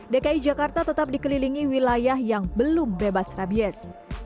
dki jakarta tetap dikelilingi wilayah yang belum bebas rabies